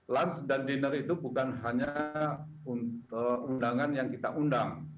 lans dan dinner itu bukan hanya undangan yang kita undang